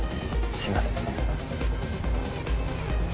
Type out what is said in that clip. すみません。